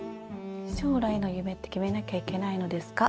「しょうらいの夢って決めなきゃいけないのですか。」。